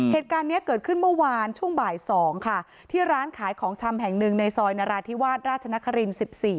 เหตุการณ์นี้เกิดขึ้นเมื่อวานช่วงบ่าย๒ค่ะที่ร้านขายของชำแห่งหนึ่งในซอยนราธิวาสราชนคริน๑๔